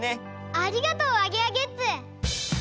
ありがとうアゲアゲッツ！